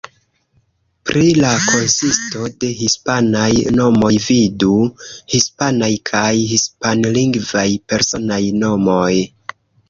Pri la konsisto de hispanaj nomoj vidu: Hispanaj kaj hispanlingvaj personaj nomoj.